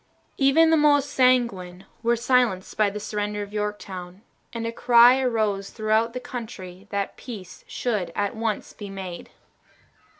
Even the most sanguine were silenced by the surrender of Yorktown, and a cry arose throughout the country that peace should at once be made.